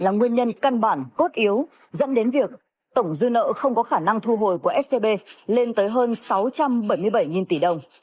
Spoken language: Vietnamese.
nguyên nhân căn bản cốt yếu dẫn đến việc tổng dư nợ không có khả năng thu hồi của scb lên tới hơn sáu trăm bảy mươi bảy tỷ đồng